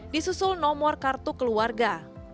di susul nomor kartu keluarga